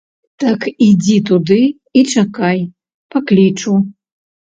Так ідзі туды і чакай, паклічу.